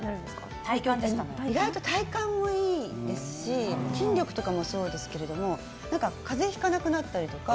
意外と体幹にもいいですし筋力とかもそうですけど風邪をひかなくなったりとか。